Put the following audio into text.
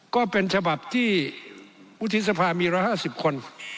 ก็เป็นฉบับที่วุฒิสภามี๑๕๐คน